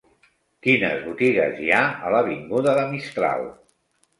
Quines botigues hi ha a l'avinguda de Mistral?